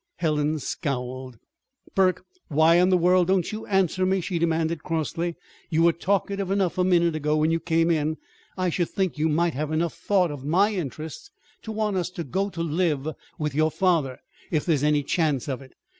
Helen scowled. "Burke, why in the world don't you answer me?" she demanded crossly. "You were talkative enough a minute ago, when you came in. I should think you might have enough thought of my interests to want us to go to live with your father, if there's any chance of it.